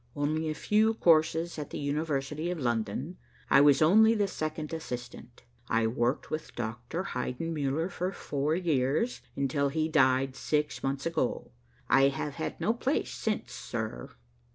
Only a few courses at the University of London. I was only the second assistant. I worked with Doctor Heidenmuller for four years, until he died six months ago. I have had no place since, sir."